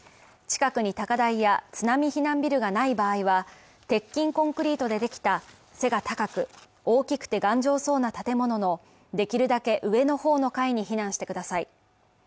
近くに高台や津波避難ビルがない場合は、鉄筋コンクリートでできた背が高く大きくて頑丈そうな建物のできるだけ上の方の階に避難してください。